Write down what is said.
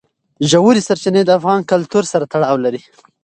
ژورې سرچینې د افغان کلتور سره تړاو لري.